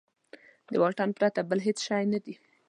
د واټن پرته بل هېڅ شی نه دی.